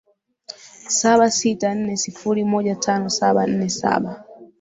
saba sita nne sifuri moja tano saba nne saba